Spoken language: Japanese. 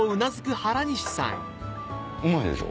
うまいでしょ？